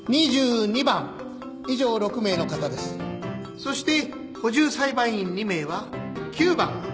そして補充裁判員２名は９番。